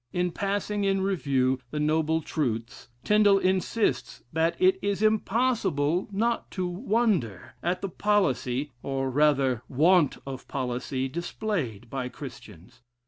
In passing in review the noble truths, Tindal insists that it is impossible not to wonder at the policy, or rather want of policy displayed by Christians.